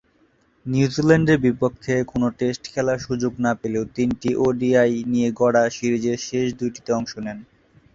নিউজিল্যান্ডের বিপক্ষে কোন টেস্ট খেলার সুযোগ না পেলেও তিনটি ওডিআই নিয়ে গড়া সিরিজের শেষ দুইটিতে অংশ নেন।